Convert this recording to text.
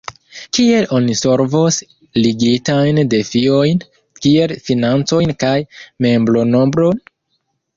Kiel oni solvos ligitajn defiojn kiel financojn kaj membronombron?